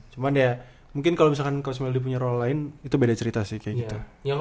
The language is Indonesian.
cuman ya mungkin kalau misalkan coach meldi punya role lain itu beda cerita sih kayak gitu